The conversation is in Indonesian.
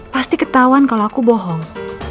pasti ketahuan kalau aku bohong